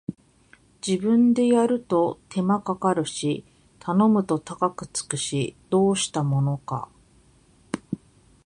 自分でやると手間かかるし頼むと高くつくし、どうしたものか